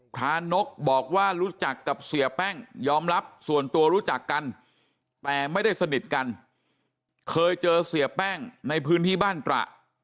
พระนกบอกว่ารู้จักกับเสียแป้งยอมรับส่วนตัวรู้จักกันแต่ไม่ได้สนิทกันเคยเจอเสียแป้งในพื้นที่บ้านตระ